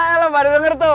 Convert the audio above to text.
ella pada denger tuh